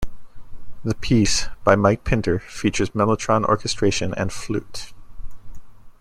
The piece, by Mike Pinder, features mellotron orchestration and flute.